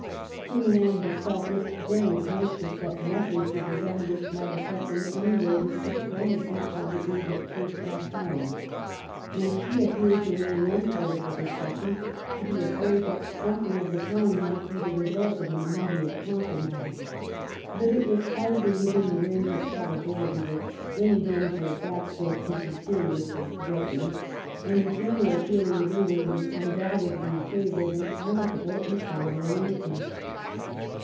Queen Anne herself was very anxious that nothing should be done which might affect in any way the supremacy of the English Church at home, and she appeared during one part of the discussion to be afraid that something of the kind might be the result of an immediate compromise. But it was hardly within the range of probability that any danger of that sort could be seriously threatened, and the general feeling of England was undoubtedly in favor of an amicable and final arrangement.